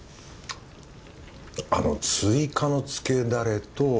あの追加のつけダレと。